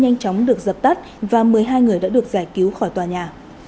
nhanh chóng được dập tắt và một mươi hai người đã được giải cứu khỏi tòa nhà